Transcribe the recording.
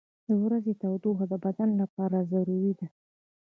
• د ورځې تودوخه د بدن لپاره ضروري ده.